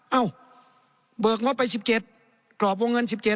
เอ้าเบิกงบไป๑๗กรอบวงเงิน๑๗